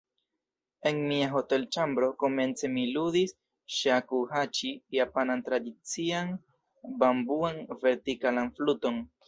En mia hotelĉambro, komence mi ludis ŝakuhaĉi, japanan tradician bambuan vertikalan fluton.